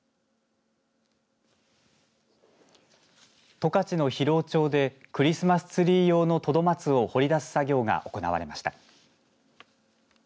十勝の広尾町でクリスマスツリー用のトドマツを掘り出す作業が行われました。